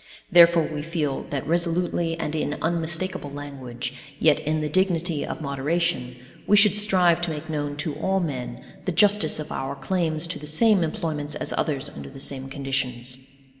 Therefore we feel that resolutely and in unmistakable language, yet in the dignity of moderation, we should strive to make known to all men the justice of our claims to the same employments as other's under the same conditions.